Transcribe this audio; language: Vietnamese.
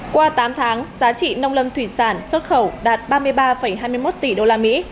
qua tám tháng giá trị nông lâm thủy sản xuất khẩu đạt ba mươi ba hai mươi một tỷ đô la mỹ